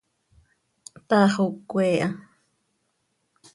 Taax oo cöquee ha.